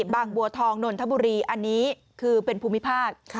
บางบัวทองนนทบุรีอันนี้คือเป็นภูมิภาค